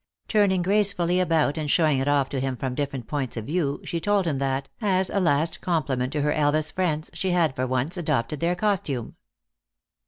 Turning gracefully about and showing it off to him from different points of view, she told him that, as a last compliment to her Elvas friends, she had, for once, adopted their costume.